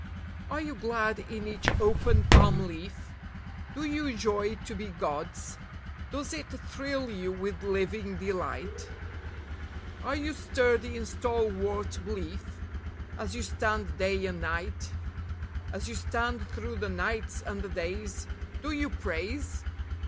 Are you glad in each open palm leaf ? Do you joy to be God's ? Does it thrill you with living delight ? Are you sturdy in stalwart belief ? As you stand day and night, As you stand through the nights and the days, Do you praise